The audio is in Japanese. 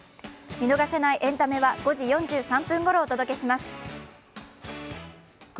見逃せないエンタメは５時４３分頃お届けします。